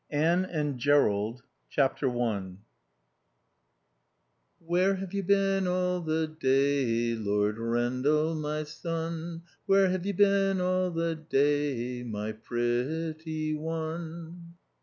III ANNE AND JERROLD i "'Where have you been all the day, Rendal, my son? Where have you been all the day, my pretty one?...'"